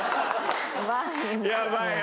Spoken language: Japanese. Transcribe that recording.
やばいよ。